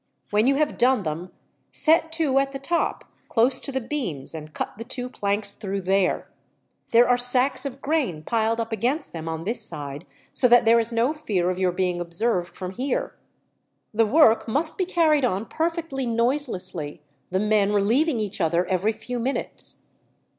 When you have done them, set to at the top, close to the beams, and cut the two planks through there. There are sacks of grain piled up against them on this side, so that there is no fear of your being observed from here. The work must be carried on perfectly noiselessly, the men relieving each other every few minutes.